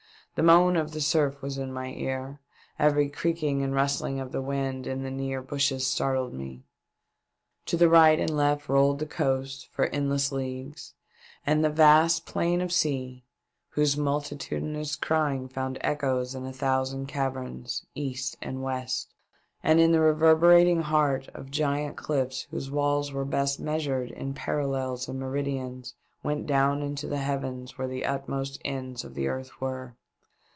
The moan of the surf was in my ear ; every creaking and rustling of the wind in the near bushes startled me. To right and left rolled the coast for endless leagues, and the vast plain of sea, whose multitudinous crying found echoes in a thousand caverns, east and west, and in the reverberating heart of giant clifTs, whose walls were best measured in parallels and meridians, went down into the heavens where the uttermost ends of the earth were.